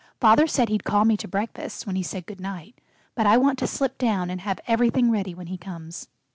Father said he'd call me to breakfast, when he said "Good night," but I want to slip down, and have everything ready when he comes."